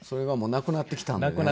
なくなってきたんでね。